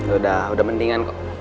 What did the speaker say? udah udah mendingan kok